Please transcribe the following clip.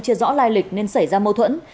chưa rõ lai lịch nên xảy ra mâu thuẫn